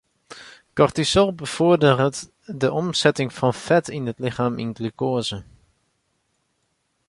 Kortisol befoarderet de omsetting fan fet yn it lichem yn glukoaze.